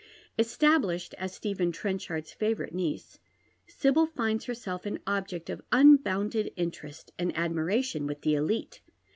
Established as Stephen Tretichard's favouiite niece, Sibyl find» herself an ol)ject of unbounded interest and admiration with the elite.